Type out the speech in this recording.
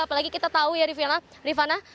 apalagi kita tahu ya rifana